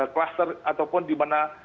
cluster atau dimana